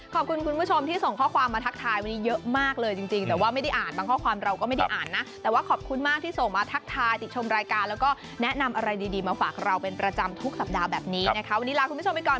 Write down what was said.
ขอบคุณมากที่ส่งมาทักทายติดชมรายการและแนะนำอะไรดีมามาฝากเราเป็นประจำทุกสัปดาห์แบบนี้วันนี้ลาคุณผู้ชมไปก่อน